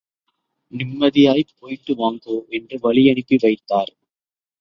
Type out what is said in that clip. நிம்மதியாய்ப்போயிட்டு வாங்கோ... என்று வழியனுப்பி வைத்தார்.